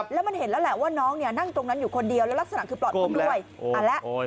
แล้วมันเห็นแล้วแหละว่าน้องนั่งตรงนั้นอยู่คนเดียวแล้วลักษณะคือปลอดความด้วย